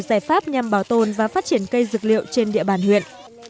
giải pháp nhằm bảo tồn và phát triển cây dược liệu trên địa bàn huyện